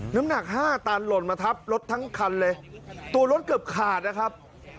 น้ำหนักห้าตันหล่นมาทับรถทั้งคันเลยตัวรถเกือบขาดนะครับ